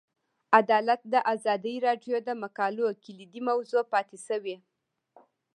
عدالت د ازادي راډیو د مقالو کلیدي موضوع پاتې شوی.